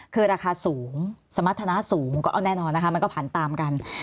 คือราคาสูงสมรรถนะสูงก็เอาแน่นอนนะคะมันก็ผันตามกัน